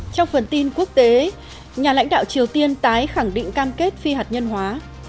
trong phần tin quốc tế nhà lãnh đạo triều tiên tái khẳng định cam kết phi hạt nhân hóa